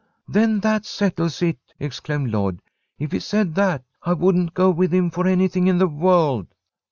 "Then that settles it!" exclaimed Lloyd. "If he said that, I wouldn't go with him for anything in the world."